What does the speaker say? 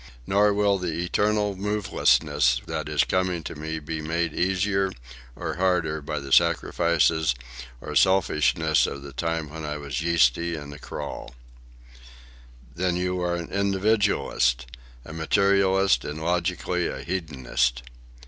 Nor will the eternal movelessness that is coming to me be made easier or harder by the sacrifices or selfishnesses of the time when I was yeasty and acrawl." "Then you are an individualist, a materialist, and, logically, a hedonist."